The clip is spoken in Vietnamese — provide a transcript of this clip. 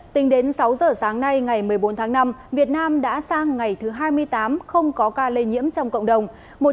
tính đến sáu giờ sáng nay ngày một mươi bốn tháng năm việt nam đã sang ngày thứ hai mươi tám không có ca lây nhiễm trong cộng đồng